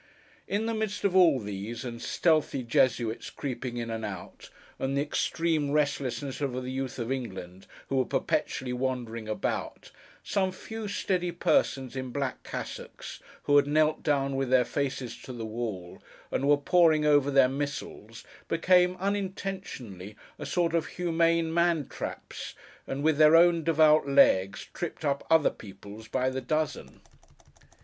In the midst of all these, and stealthy Jesuits creeping in and out, and the extreme restlessness of the Youth of England, who were perpetually wandering about, some few steady persons in black cassocks, who had knelt down with their faces to the wall, and were poring over their missals, became, unintentionally, a sort of humane man traps, and with their own devout legs, tripped up other people's by the dozen.